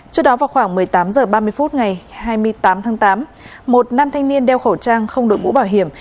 trước đó vào khoảng một mươi tám h ba mươi phút ngày hai mươi tám tháng tám một nam thanh niên đeo khẩu trang không đội mũ bảo hiểm